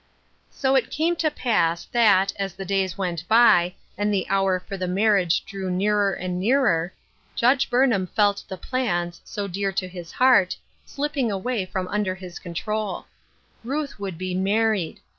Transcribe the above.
So it came to pass that, as the days went by, and the hour for the marriage drew nearer and nearer. Judge Burnham felt the plans, so dear to his heart, slipping away from under his contioL Ruth would be married.